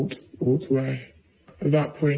เธอเล่าต่อนะครับ